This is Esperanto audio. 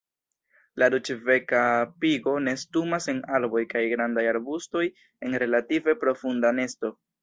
La Ruĝbeka pigo nestumas en arboj kaj grandaj arbustoj en relative profunda nesto.